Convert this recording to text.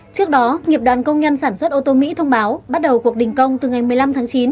trước đó nghiệp đoàn công nhân sản xuất ô tô mỹ thông báo bắt đầu cuộc đình công từ ngày một mươi năm tháng chín